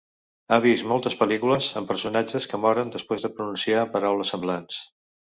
Ha vist moltes pel·lícules amb personatges que moren després de pronunciar paraules semblants.